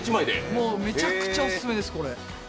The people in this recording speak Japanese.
めちゃくちゃオススメです、これ。